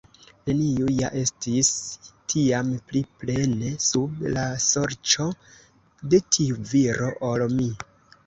Neniu ja estis tiam pli plene sub la sorĉo de tiu viro, ol mi.